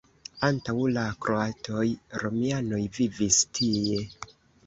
Antaŭ la kroatoj romianoj vivis tie.